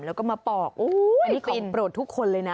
แล้วก็มาปอกอันนี้เป็นโปรดทุกคนเลยนะ